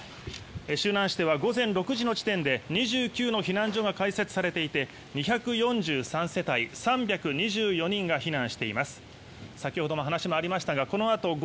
周南市では午前６時の時点で２９の避難所が開設されていて２４３世帯３２４人が避難しています。